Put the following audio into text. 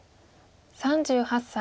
３８歳。